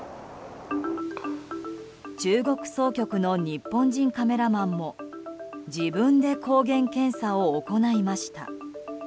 中国総局の日本人カメラマンも自分で抗原検査を行いました。